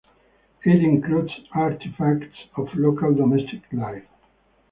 It includes artifacts of local domestic life.